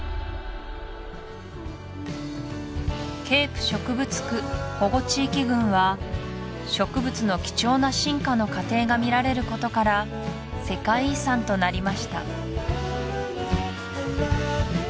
ケープ植物区保護地域群は植物の貴重な進化の過程が見られることから世界遺産となりました